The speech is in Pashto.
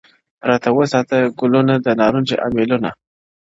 • راته وساته ګلونه د نارنجو امېلونه -